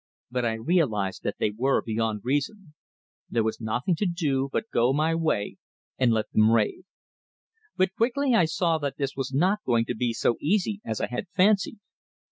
But I realized that they were beyond reason. There was nothing to do but go my way and let them rave. But quickly I saw that this was not going to be so easy as I had fancied.